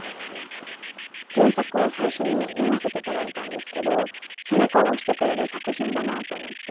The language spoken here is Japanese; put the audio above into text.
原作を最初に読ませていただいたんですけど、背中を押してくれる作品だなと思って。